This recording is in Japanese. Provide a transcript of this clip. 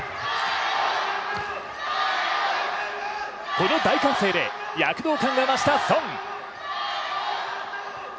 この大歓声で躍動感が増した孫。